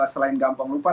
selain gampang lupa